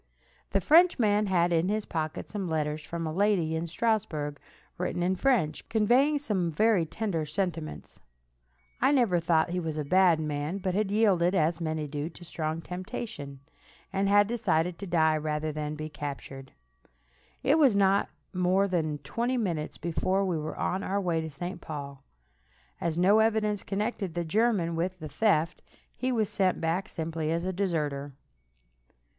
The Frenchman had in his pocket some letters from a lady in Strasburg, written in French, conveying some very tender sentiments. I never thought he was a bad man, but had yielded, as many do, to a strong temptation, and had decided to die rather than be captured. It was not more than twenty minutes before we were on our way to St. Paul. As no evidence connected the German with the theft, he was sent back simply as a deserter.